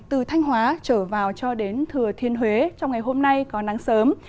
từ thanh hóa trở vào cho đến thừa thiên huế trong ngày hôm nay có nắng sớm